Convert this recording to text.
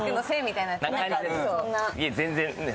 いや全然。